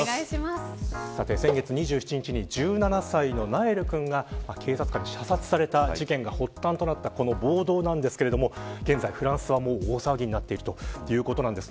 先月２７日に１７歳のナエル君が警察官に射殺された事件が発端となった暴動ですが現在、フランスは大騒ぎになっているということです。